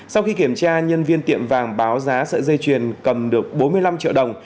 sau khi kiểm tra nhân viên tiệm vàng báo giá sợi dây chuyền cầm được bốn mươi năm triệu đồng